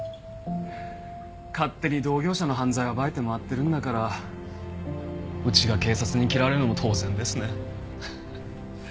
勝手に同業者の犯罪を暴いて回ってるんだからうちが警察に嫌われるのも当然ですね。